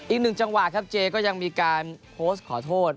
อีกหนึ่งจังหวะครับเจก็ยังมีการโพสต์ขอโทษ